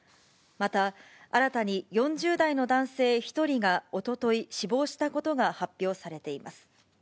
また、新たに４０代の男性１人がおととい死亡したことが発表されています。